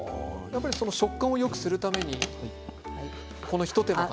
食感をよくするためにこの一手間が。